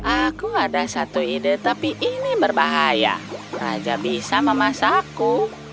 aku ada satu ide tapi ini berbahaya raja bisa memasakku